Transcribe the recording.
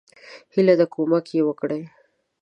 هیله ده کومک یی وکړي.